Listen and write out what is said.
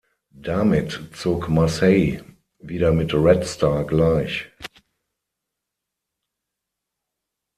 Damit zog Marseille wieder mit Red Star gleich.